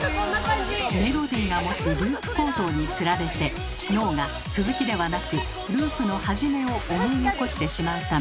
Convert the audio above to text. メロディーが持つループ構造につられて脳が続きではなくループのはじめを思い起こしてしまうため。